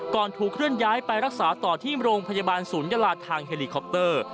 ก่อนถูกเคลื่อนย้ายไปรักษาต่อที่โรงพยาบาลศูนยาลาทางเฮลิคอปเตอร์